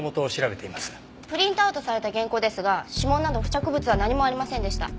プリントアウトされた原稿ですが指紋など付着物は何もありませんでした。